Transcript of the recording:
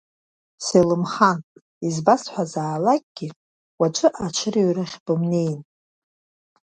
Селымхан, избасҳәазаалакгьы, уаҵәы аҽырыҩрахь бымнеин.